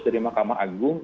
dari mahkamah agung